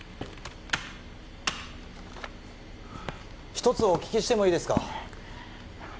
ひとつお聞きしてもいいですか